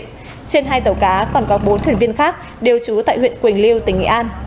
trên hai tàu cá còn có bốn thuyền viên khác đều trú tại huyện quỳnh lưu tỉnh nghệ an